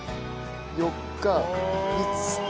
４日５日。